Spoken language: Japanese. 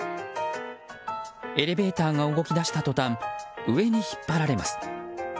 エレベーターが動き出した途端上に引っ張られます。